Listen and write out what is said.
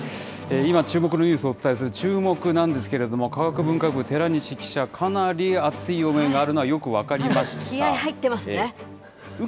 今、注目のニュースをお伝えするチューモク！なんですけれども、科学文化部、寺西記者、かなり熱い思いがあるのはよく分かりました。